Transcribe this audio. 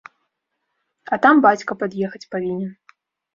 А там бацька пад'ехаць павінен.